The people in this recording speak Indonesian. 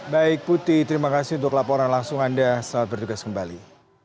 baik putih terima kasih untuk laporan langsung anda selamat bertugas kembali